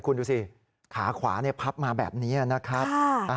คุณดูสิขาขวาพับมาแบบนี้นะครับ